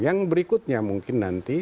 yang berikutnya mungkin nanti